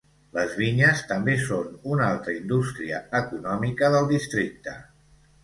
Les vinyes també són una altra indústria econòmica del districte.